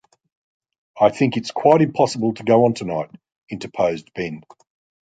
‘I think it’s quite impossible to go on tonight,’ interposed Ben.